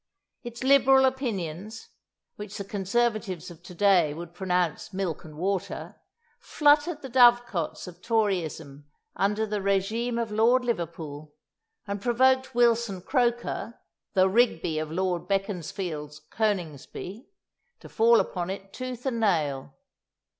Its liberal opinions, which the Conservatives of to day would pronounce milk and water, fluttered the dove cotes of Toryism under the régime of Lord Liverpool, and provoked Wilson Croker, the "Rigby" of Lord Beaconsfield's "Coningsby," to fall upon it tooth and nail.